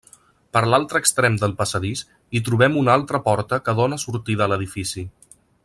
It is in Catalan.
Per l'altre extrem del passadís hi trobem una altra porta que dóna sortida a l'edifici.